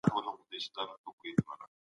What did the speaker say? څېړونکی هغه روڼ اندئ دئ چي بصیرت او پوهه لري.